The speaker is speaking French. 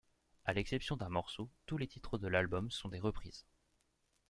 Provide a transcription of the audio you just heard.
À l'exception d'un morceau, tous les titres de l'album sont des reprises.